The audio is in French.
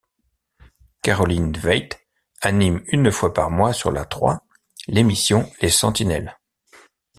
Caroline Veyt anime une fois par mois sur la trois, l'émission Les Sentinelles.